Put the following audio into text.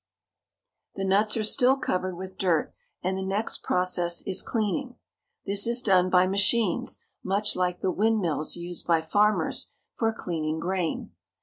The nuts are still covered with dirt, and the next proc ess is cleaning. This is done by machines much like the windmills used by farmers for cleaning grain.